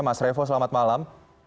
mas revo selamat malam